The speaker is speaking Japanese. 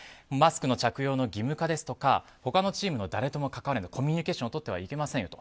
マスクの着用の義務化ですとか他のチームの誰とも関われないコミュニケーションをとってはいけない。